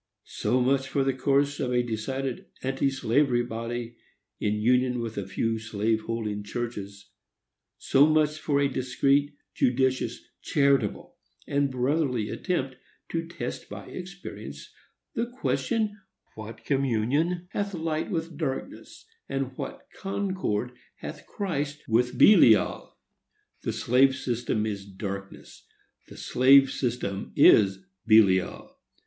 So much for the course of a decided anti slavery body in union with a few slave holding churches. So much for a most discreet, judicious, charitable, and brotherly attempt to test by experience the question, What communion hath light with darkness, and what concord hath Christ with Belial? The slave system is darkness,—the slave system is Belial!